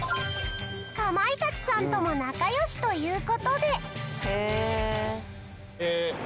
かまいたちさんとも仲良しという事で。